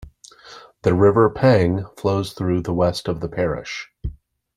The River Pang flows through the west of the parish.